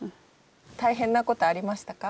大変なことはありましたか？